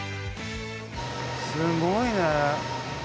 すごいね。